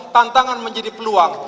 tantangan menjadi peluang